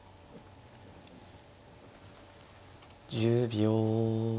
１０秒。